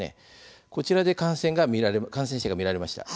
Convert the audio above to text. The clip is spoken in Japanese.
こちらで感染者が見られました。